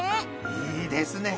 ［いいですね